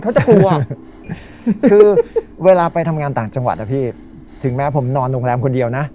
กลัวคือเวลาไปทำงานต่างจังหวัดนะพี่ถึงแม้ผมนอนโรงแรมคนเดียวนะ